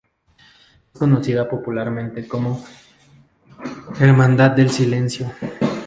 Es conocida popularmente como Hermandad del Silencio.